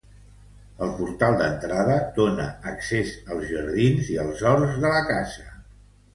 El portal d'entrada dóna accés als jardins i als horts de la casa.